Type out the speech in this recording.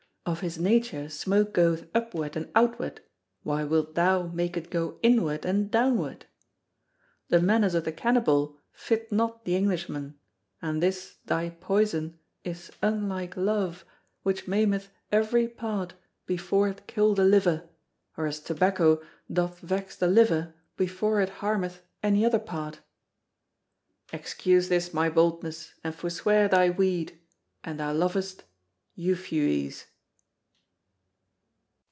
Of his nature smoke goeth upward and outward; why wilt thou make it go inward and downward? The manners of the Cannibal fit not the Englishman; and this thy poison is unlike Love, which maimeth every part before it kill the Liver, whereas tobacco doth vex the Liver before it harmeth any other part. Excuse this my boldness, and forswear thy weed, an thou lovest EUPHUES.